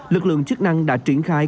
lực lượng chức năng đã triển khai